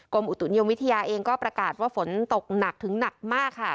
อุตุนิยมวิทยาเองก็ประกาศว่าฝนตกหนักถึงหนักมากค่ะ